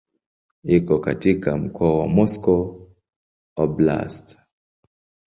Iko katika mkoa wa Moscow Oblast.